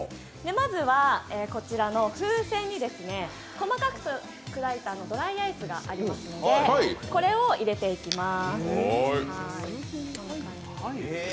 まずはこちらの風船に細かく砕いたドライアイスがありますので、これを入れていきます。